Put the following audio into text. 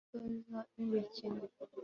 guhugura abatoza b'imikino